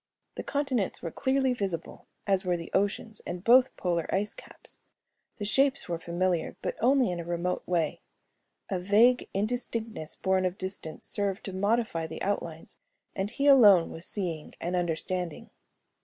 The continents were clearly visible, as were the oceans and both polar ice caps. The shapes were familiar but in only a remote way. A vague indistinctness borne of distance served to modify the outlines and he alone was seeing and understanding.